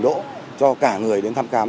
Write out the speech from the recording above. đổ cho cả người đến thăm khám